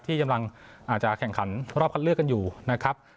ที่กำลังจะแข่งขันรอบคัดเลือกกันอยู่นะครับ